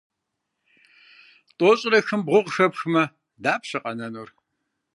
Тӏощӏрэ хым бгъу къыхэпхмэ, дапщэ къэнэнур?